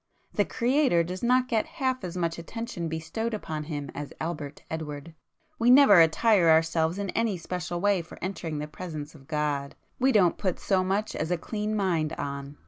The Creator does not get half as much attention bestowed upon Him as Albert Edward. We never attire ourselves in any special way for entering the presence of God; we don't put so much as a clean mind on."